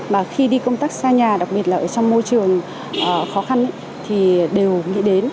mà khi đi công tác xa nhà đặc biệt là ở trong môi trường khó khăn thì đều nghĩ đến